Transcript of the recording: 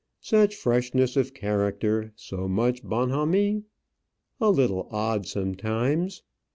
"Such freshness of character, so much bonhommie a little odd sometimes."